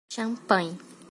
Champanhe!